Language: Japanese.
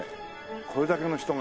これだけの人が。